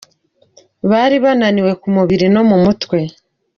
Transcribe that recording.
Bari bananiwe ku mubiri no mu mutwe.